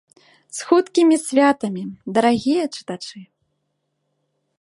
З хуткімі святамі, дарагія чытачы!